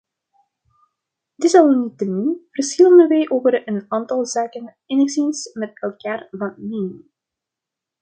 Desalniettemin verschillen wij over een aantal zaken enigszins met elkaar van mening.